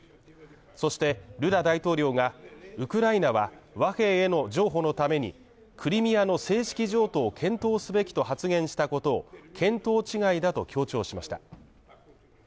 そして、ルラ大統領がウクライナは和平への情報のために、クリミアの正式譲渡を検討すべきと発言したことを見当違いだと強調しました。